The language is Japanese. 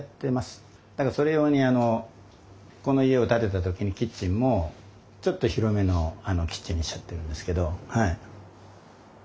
それ用にこの家を建てた時にキッチンもちょっと広めのキッチンにしちゃってるんですけどはい。